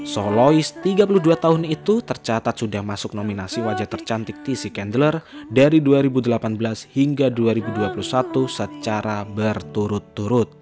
soh lois tiga puluh dua tahun itu tercatat sudah masuk nominasi wajah tercantik tc kendler dari dua ribu delapan belas hingga dua ribu dua puluh satu secara berturut turut